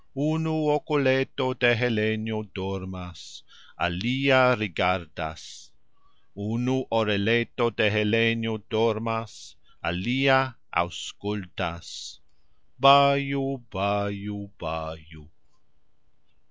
Unu okuleto de Helenjo dormas, alia rigardas, unu oreleto de Helenjo dormas, alia auxskultas. Baju, baju, baju!...